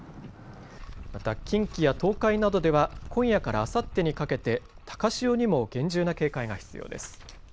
また近畿や東海などでは今夜からあさってにかけて高潮にも厳重な警戒が必要です。